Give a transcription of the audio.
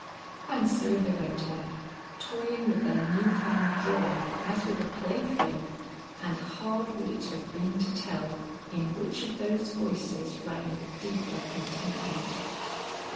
And so they went on, toying with their new found joy as with a plaything, and hard would it have been to tell in which of those voices rang the deeper contentment.